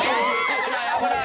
危ない危ない！